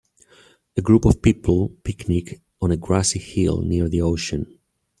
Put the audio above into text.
A group of people picnic on a grassy hill near the ocean.